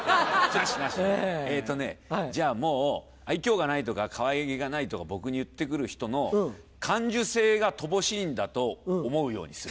なしなしえっとねじゃあもう愛嬌がないとかかわいげがないとか僕に言ってくる人の感受性が乏しいんだと思うようにする。